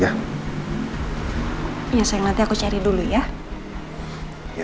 ya sayang nanti aku cari dulu ya